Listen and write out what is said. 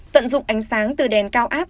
tận dụng ánh sáng từ đèn cao áp